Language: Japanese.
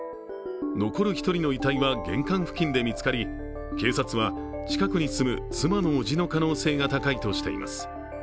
残る１人の遺体は玄関付近で見つかり、警察は近くに住む妻のおじの可能性が高いとしています。